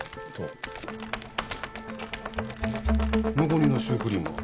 残りのシュークリームは？